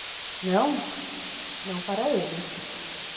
Não? não para eles.